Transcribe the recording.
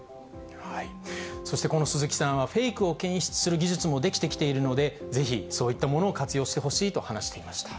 そしてこの鈴木さんは、フェイクを検出する技術も出来てきているので、ぜひ、そういったものを活用してほしいと話していました。